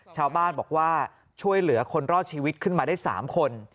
ชาวบ้านบอกว่าช่วยเหลือคนรอดชีวิตขึ้นมาได้๓คน